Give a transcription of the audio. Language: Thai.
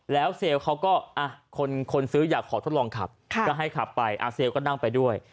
แล้วเซลล์เขาก็คนซื้ออยากขอทดลองขับก็ให้ขับไปเซลล์ก็นั่งไปด้วย